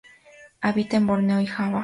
Habita en Borneo y Java.